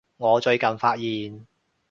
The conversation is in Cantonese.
我最近發現